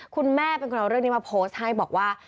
คุณแม่เป็นคนเอาเรื่องนี้มาโพสต์ให้บอกว่า